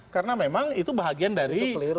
karena memang itu bahagian dari laporan